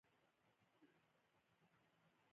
که ورزش بدني پیاوړتیا ده، نو مطاله دماغي پیاوړتیا ده